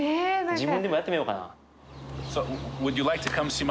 自分でもやってみようかな。